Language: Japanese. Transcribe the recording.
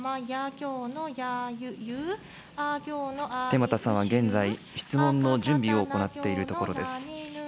天畠さんは現在、質問の準備を行っているところです。